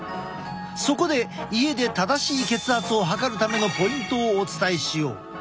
そこで家で正しい血圧を測るためのポイントをお伝えしよう。